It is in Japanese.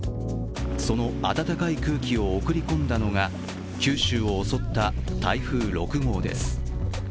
その暖かい空気を送り込んだのが九州を襲った台風６号です。